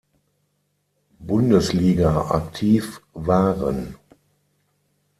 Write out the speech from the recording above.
Bundesliga aktiv waren.